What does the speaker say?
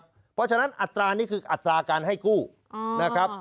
เพราะฉะนั้นอัตรานี้คืออัตราการให้กู้นะครับ